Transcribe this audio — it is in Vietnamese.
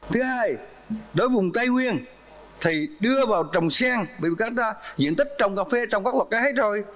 thứ hai đối với vùng tây nguyên thì đưa vào trồng sen vì các nhiệm tích trồng cà phê trồng các loạt gái rồi